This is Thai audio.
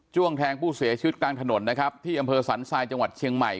แทงผู้เสียชีวิตกลางถนนนะครับที่อำเภอสันทรายจังหวัดเชียงใหม่